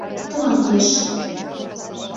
Тыманмеш!